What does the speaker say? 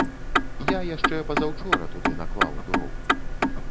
Я яшчэ пазаўчора туды наклаў дроў.